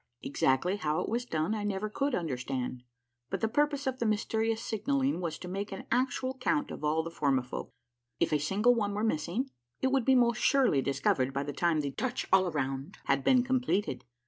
Exactly how it was done I never could understand, but the purpose of the mysterious sig nalling was to make an actual count of all the Formifolk. If a single one were missing, it would be most surely discovered by the time the " touch all around " had been completed.